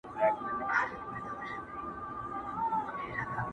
لمر هم کمزوری ښکاري دلته تل.